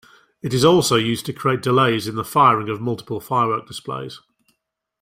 It is also used to create delays in the firing of multiple firework displays.